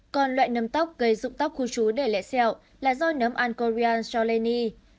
còn loại nấm tóc gây dụng tóc khu trú để lại xeo là do nấm angkorian cholani